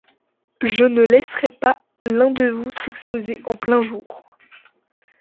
Je ne laisserai pas l’un de vous s’exposer en plein jour.